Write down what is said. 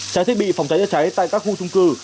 trang thiết bị phòng cháy chữa cháy tại các khu trung cư